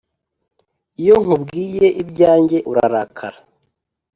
iyo nkubwiye ibyanjye urarakara